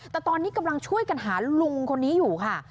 แต่ตอนนี้กำลังช่วยกันหาลุงคนนี้อยู่ค่ะ